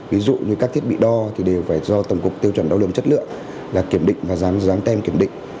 ví dụ như các thiết bị đo đều phải do tổng cục tiêu chuẩn đo lượng chất lượng kiểm định và giám tem kiểm định